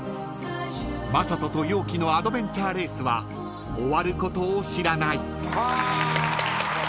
［正人と陽希のアドベンチャーレースは終わることを知らない］